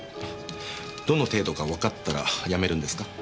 どの程度かわかったらやめるんですか？